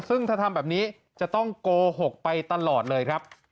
ซึ่งถ้าทำแบบนี้จะต้องโกหกไปตลอดเลยครับ